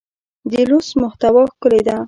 د لوست محتوا ښکلې ده.